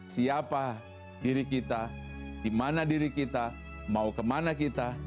siapa diri kita dimana diri kita mau kemana kita